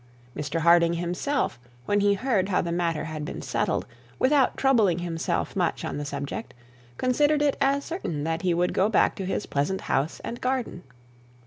Mr Harding himself, when he heard how the matter had been settled, without troubling himself much on the subject, considered it as certain that he would go back to his pleasant house and garden.